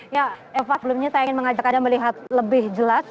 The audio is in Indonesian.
ya eva sebelumnya saya ingin mengajak anda melihat lebih jelas